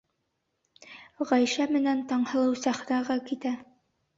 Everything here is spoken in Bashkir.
Ғәйшә менән Таңһылыу сәхнәгә китә.